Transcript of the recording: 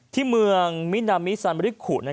ที่เมืองมินามิซันมริขุ